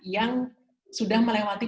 yang sudah melewati